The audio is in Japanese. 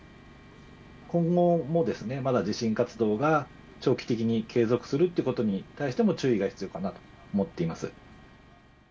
今後もまだ地震活動が長期的に継続するってことに対しても、注意が必要かなと思っています。